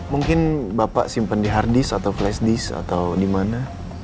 mungkin bapak simpen di hard disk atau flash disk atau dimana